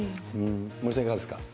森さん、いかがですか。